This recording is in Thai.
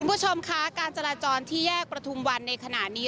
คุณผู้ชมคะการจราจรที่แยกประทุมวันในขณะนี้